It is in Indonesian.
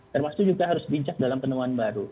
termasuk juga harus bijak dalam penemuan baru